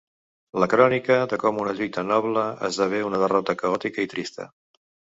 La crònica de com una lluita noble esdevé una derrota caòtica i trista.